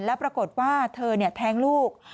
แล้วปรากฏว่าเธอแท้งลูก